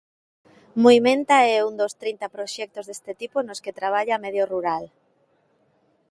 Muimenta é un dos trinta proxectos deste tipo nos que traballa Medio Rural.